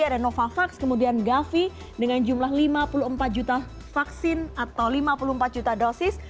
ada novavax kemudian gavi dengan jumlah lima puluh empat juta vaksin atau lima puluh empat juta dosis